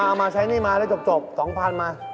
เอามาใช้นี่มายังจบ๒๐๐๐บาทมา